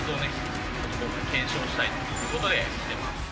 ちょっと今回検証したいという事で来てます。